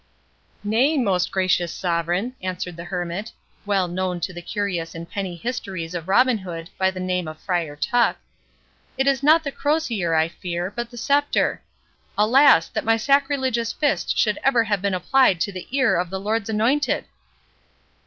"Nay, most gracious sovereign," answered the Hermit, (well known to the curious in penny histories of Robin Hood, by the name of Friar Tuck,) "it is not the crosier I fear, but the sceptre.—Alas! that my sacrilegious fist should ever have been applied to the ear of the Lord's anointed!"